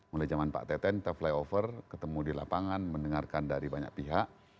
mulai zaman pak teten kita flyover ketemu di lapangan mendengarkan dari banyak pihak